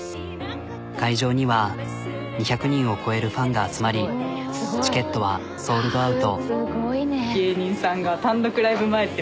会場には２００人を超えるファンが集まりチケットはソールドアウト。